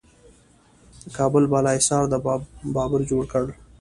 د کابل بالا حصار د بابر جوړ کړ